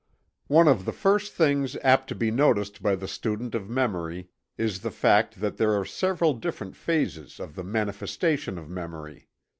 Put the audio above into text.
One of the first things apt to be noticed by the student of memory is the fact that there are several different phases of the manifestation of memory.